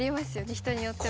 人によっては。